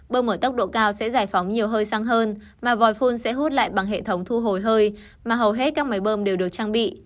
bơm ở tốc độ cao sẽ giải phóng nhiều hơi xăng hơn mà vòi phun sẽ hút lại bằng hệ thống thu hồi hơi mà hầu hết các máy bơm đều được trang bị